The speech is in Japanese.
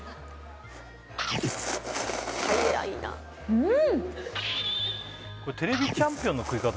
うん！